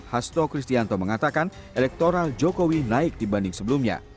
hasto kristianto mengatakan elektoral jokowi naik dibanding sebelumnya